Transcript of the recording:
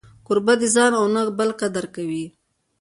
کوربه د ځان و نه بل قدر کوي.